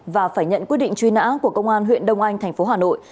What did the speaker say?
và phải nhận quyết định truy nã của công an huyện đông anh tp hà nội